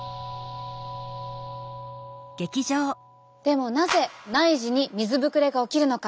でもなぜ内耳に水ぶくれが起きるのか。